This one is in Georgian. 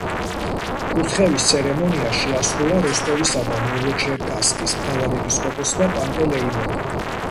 კურთხევის ცერემონია შეასრულა როსტოვისა და ნოვოჩერკასკის მთავარეპისკოპოსმა პანტელეიმონმა.